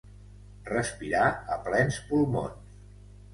Respirar a plens pulmons.